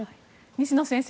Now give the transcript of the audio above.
西野先生